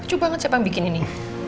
coba banget siapa yang bikin ini